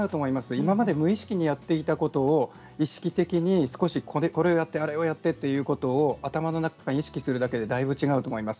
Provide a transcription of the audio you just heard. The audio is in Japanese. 今まで無意識にやっていたことを意識的にこれをやって、あれをやってということを頭の中で、意識するだけでだいぶ違うと思います。